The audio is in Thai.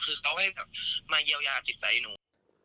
คือเขาให้แบบมาเยียวยาจิตใจหนู